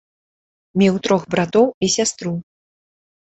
Меў трох братоў і сястру.